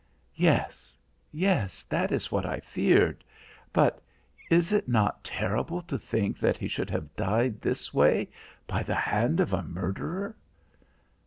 "Yes, yes, that is what I feared. But is it not terrible to think that he should have died this way by the hand of a murderer?"